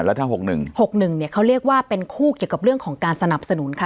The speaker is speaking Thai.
แล้วถ้าหกหนึ่งหกหนึ่งเนี้ยเขาเรียกว่าเป็นคู่เกี่ยวกับเรื่องของการสนับสนุนค่ะ